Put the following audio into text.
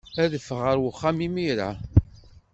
Adef ɣer uxxam imir-a.